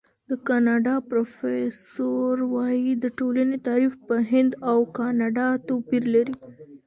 د کاناډا پروفیسور وايي، د ټولنې تعریف په هند او کاناډا توپیر لري.